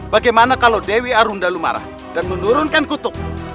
bagaimana kalau dewi arundalu marah dan menurunkan kutub